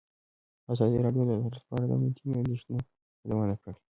ازادي راډیو د عدالت په اړه د امنیتي اندېښنو یادونه کړې.